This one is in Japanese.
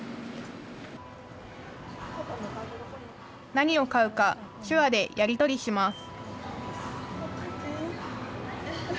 何を買うか手話でやり取りします。